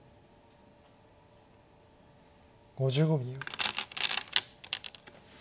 ５５秒。